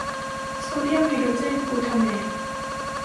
โซเดียมไฮโดรเจนกลูทาเมต